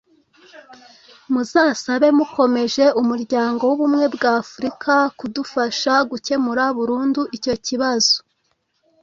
muzasabe mukomeje umuryango w'ubumwe bw'afurika kudufasha gukemura burundu icyo kibazo